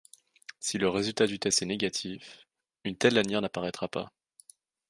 Si le résultat du test est négatif, une telle lanière n’apparaitra pas.